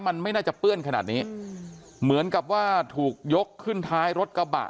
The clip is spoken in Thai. มันไม่น่าจะเปื้อนขนาดนี้เหมือนกับว่าถูกยกขึ้นท้ายรถกระบะ